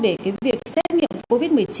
để cái việc xét nghiệm covid một mươi chín